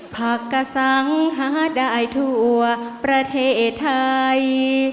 ผักกระสังหาได้ทั่วประเทศไทย